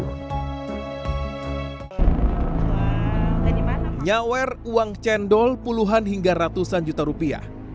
menyawer uang cendol puluhan hingga ratusan juta rupiah